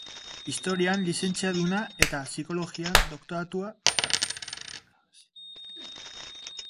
Historian lizentziaduna eta Psikologian doktoratua da.